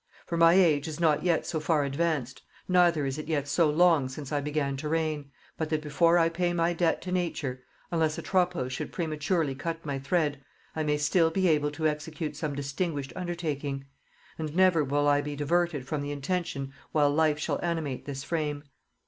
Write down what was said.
For my age is not yet so far advanced, neither is it yet so long since I began to reign, but that before I pay my debt to nature, unless Atropos should prematurely cut my thread, I may still be able to execute some distinguished undertaking: and never will I be diverted from the intention while life shall animate this frame.